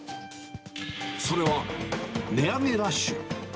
それは値上げラッシュ。